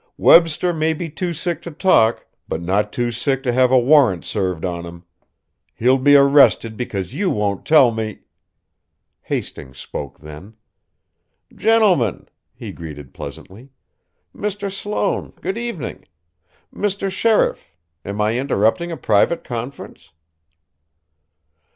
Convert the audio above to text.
Webster may be too sick to talk, but not too sick to have a warrant served on him. He'll be arrested because you won't tell me " Hastings spoke then. "Gentlemen!" he greeted pleasantly. "Mr. Sloane, good evening. Mr. Sheriff am I interrupting a private conference?"